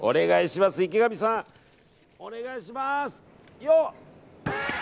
池上さん、お願いします！よ！